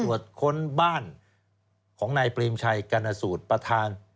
ตรวจคนบ้านของนายเปรียมชัยกรรณสูตรประธาน